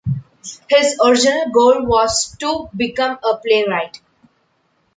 His original goal was to become a playwright.